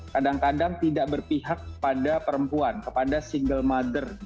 kadang kadang tidak berpihak pada perempuan kepada single mother